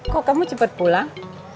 kok kamu cepat pulang